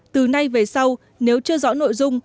từ nay về sau nếu chưa rõ nội dung